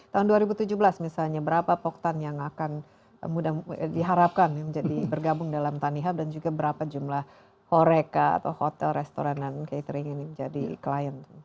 tahun dua ribu tujuh belas misalnya berapa poktan yang akan mudah diharapkan menjadi bergabung dalam tanihub dan juga berapa jumlah horeca atau hotel restoran dan catering ini menjadi klien